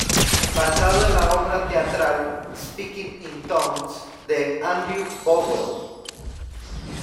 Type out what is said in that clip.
Basado en la obra teatral "Speaking In Tongues" de Andrew Bowell.